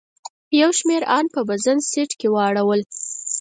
یو شمېر ان په بزنس سیټ کې واړول.